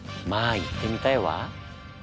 行ってみたいわ。